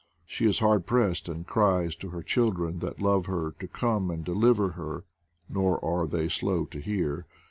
She is hard pressed and cries to her children that love her to come and deliver her. Nor are they slow to hear.